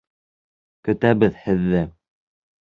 Көтәбеҙ һеҙҙе!